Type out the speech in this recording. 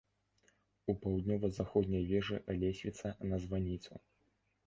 У паўднёва-заходняй вежы лесвіца на званіцу.